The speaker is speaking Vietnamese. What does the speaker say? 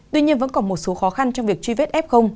tuy nhiên vẫn còn một số khó khăn trong việc truy vết f